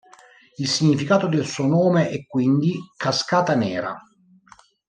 Il significato del suo nome è quindi “cascata nera”.